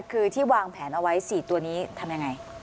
คือที่วางแผนเอาไว้๔ตัวนี้ทำยังไง